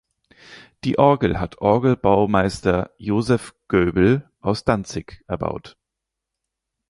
Die Orgel hat Orgelbaumeister Joseph Goebel aus Danzig erbaut.